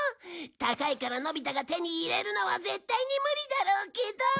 高いからのび太が手に入れるのは絶対に無理だろうけど。